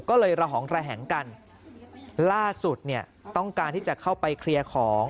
ก็เลยระหองระแหงกันล่าสุดเนี่ยต้องการที่จะเข้าไปเคลียร์ของ